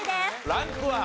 ランクは？